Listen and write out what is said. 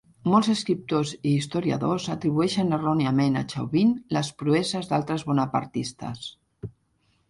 Molts escriptors i historiadors atribueixen erròniament a Chauvin les proeses d'altres bonapartistes.